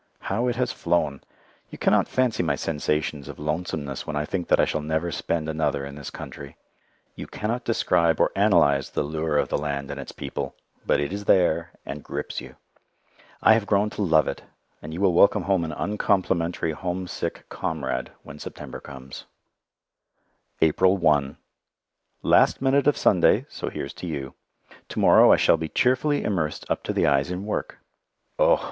How it has flown! You cannot fancy my sensations of lonesomeness when I think that I shall never spend another in this country. You cannot describe or analyze the lure of the land and its people, but it is there, and grips you. I have grown to love it, and you will welcome home an uncomplimentary homesick comrade when September comes. April 1 Last minute of Sunday, so here's to you. To morrow I shall be cheerfully immersed up to the eyes in work. Oh!